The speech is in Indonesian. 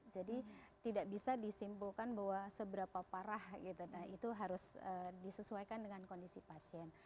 jadi tidak bisa disimpulkan bahwa seberapa parah itu harus disesuaikan dengan kondisi pasien